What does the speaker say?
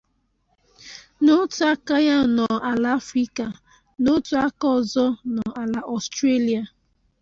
Na otu aka ya no ala Africa, na out aka ozo no ala "Australia".